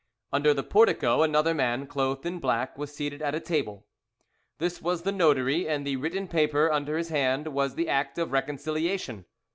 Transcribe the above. Under the portico, another man clothed in black was seated at a table. This was the notary, and the written paper under his hand was the act of reconciliation.